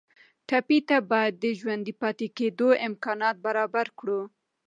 ټپي ته باید د ژوندي پاتې کېدو امکانات برابر کړو.